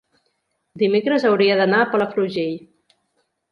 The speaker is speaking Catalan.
dimecres hauria d'anar a Palafrugell.